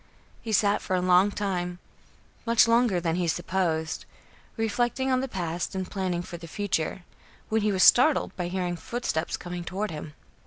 He sat for a long time, much longer than he supposed, reflecting on the past, and planning for the future, when he was startled by hearing footsteps coming toward him.